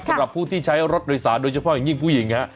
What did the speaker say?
สำหรับผู้ที่ใช้รถโดยสารโดยเฉพาะอย่างยิ่งผู้หญิงฮะ